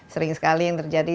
sering sekali yang terjadi